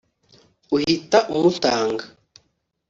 uhita umutanga